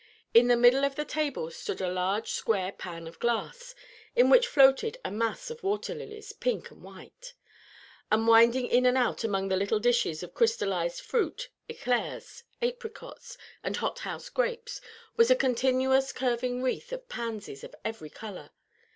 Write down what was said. In the middle of the table stood a large square pan of glass, in which floated a mass of waterlilies, pink and white; and winding in and out among the little dishes of crystallized fruits, éclairs, apricots, and hot house grapes, was a continuous curving wreath of pansies of every color.